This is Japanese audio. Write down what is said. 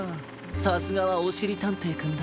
さすがはおしりたんていくんだ！